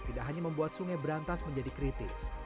tidak hanya membuat sungai berantas menjadi kritis